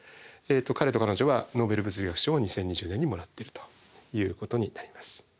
彼と彼女はノーベル物理学賞を２０２０年にもらってるということになります。